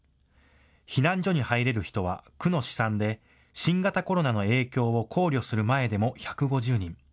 避難所に入れる人は区の試算で新型コロナの影響を考慮する前でも１５０人。